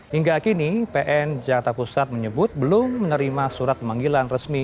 hingga kini pn jakarta pusat menyebut belum menerima surat pemanggilan resmi